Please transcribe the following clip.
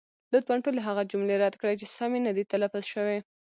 لطفا ټولې هغه جملې رد کړئ، چې سمې نه دي تلفظ شوې.